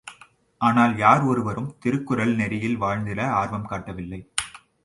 ஆனால் யார் ஒருவரும் திருக்குறள் நெறியில் வாழ்ந்திட ஆர்வம் காட்டவில்லை.